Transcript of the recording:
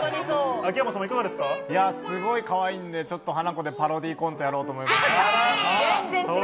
すごいかわいいんで、ちょっとハナコでパロディーコント、やろうと思います。